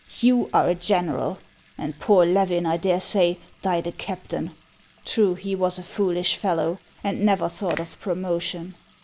You are a general, and poor Levin, I dare say, died a cap tain. True, he was a foolish fellow, and never thought of promotion."